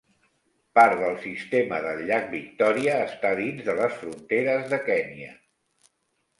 Part del sistema del llac Victòria està dins de les fronteres de Kenya.